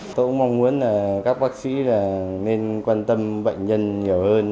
tôi cũng mong muốn các bác sĩ nên quan tâm bệnh nhân nhiều hơn